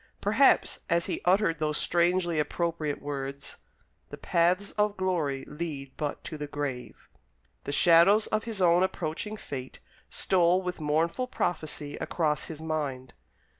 Perhaps as he uttered those strangely appropriate words: "The paths of glory lead but to the grave," the shadows of his own approaching fate stole with mournful prophecy across his mind.